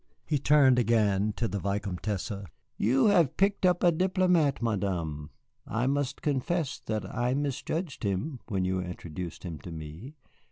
He turned again to the Vicomtesse. "You have picked up a diplomat, Madame. I must confess that I misjudged him when you introduced him to me.